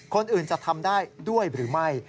คนอื่นจะทำได้ด้วยหรือไม่